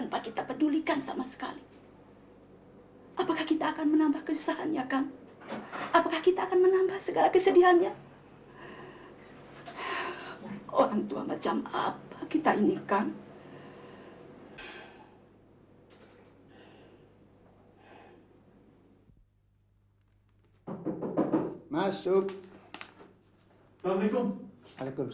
pak masud sudah lapor polisi